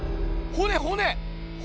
骨骨！